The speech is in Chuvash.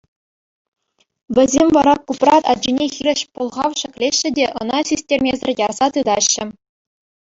Вӗсем вара Купрат ачине хирӗҫ пӑлхав ҫӗклеҫҫӗ те ӑна систермесӗр ярса тытаҫҫӗ.